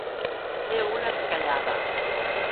Fer una esquellada.